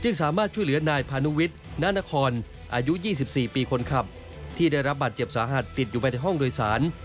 นานนครอายุ๒๔ปีคนขับที่ได้รับบัตรเจ็บสาหัสติดอยู่ในห้องโดยศาล